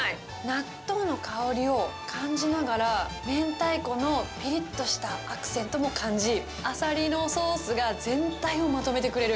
納豆の香りを感じながら、明太子のぴりっとしたアクセントも感じ、アサリのソースが全体をまとめてくれる。